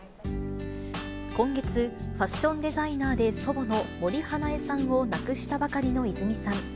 今月、ファッションデザイナーで祖母の森英恵さんを亡くしたばかりの泉さん。